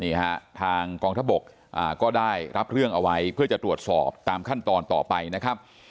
นี่ฮะทางกองทบกก็ได้รับเรื่องเอาไว้เพื่อจะตรวจสอบตามขั้นตอนต่อไปนะครับ